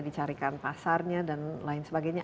dicarikan pasarnya dan lain sebagainya